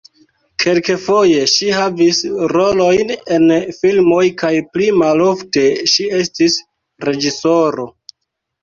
Kelkfoje ŝi havis rolojn en filmoj kaj pli malofte ŝi estis reĝisoro.